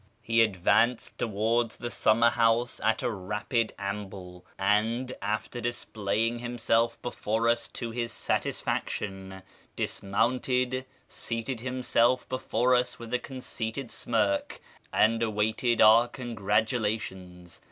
He advanced towards the summer house at a rapid amble, and, after displaying himself before us to his satisfaction, dis mounted, seated himself before us with a conceited smirk, and awaited our congratulations.